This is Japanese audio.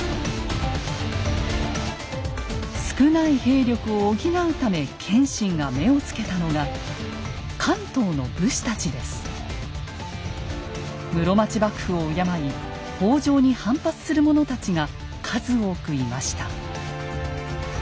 少ない兵力を補うため謙信が目を付けたのが室町幕府を敬い北条に反発する者たちが数多くいました。